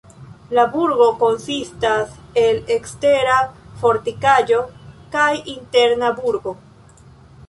La burgo konsistas el ekstera fortikaĵo kaj interna burgo.